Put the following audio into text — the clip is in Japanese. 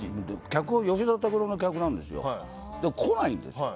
吉田拓郎の客なんですよ。来ないんです。